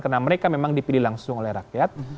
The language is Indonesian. karena mereka memang dipilih langsung oleh rakyat